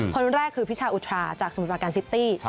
คนแรกคือพิชาอุทราจากสมุทรประการซิตี้